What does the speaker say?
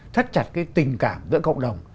thắt chặt cái tình cảm giữa cộng đồng